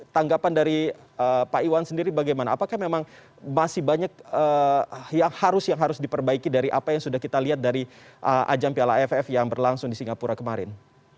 tanggapan dari pak iwan sendiri bagaimana apakah memang masih banyak yang harus diperbaiki dari apa yang sudah kita lihat dari ajang piala aff yang berlangsung di singapura kemarin